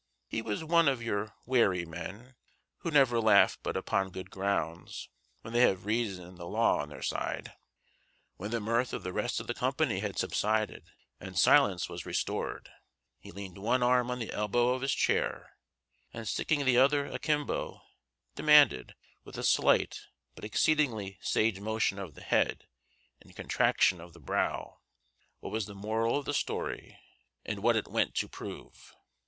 He was one of your wary men, who never laugh but upon good grounds when they have reason and the law on their side. When the mirth of the rest of the company had subsided and silence was restored, he leaned one arm on the elbow of his chair, and sticking the other akimbo, demanded, with a slight but exceedingly sage motion of the head and contraction of the brow, what was the moral of the story and what it went to prove.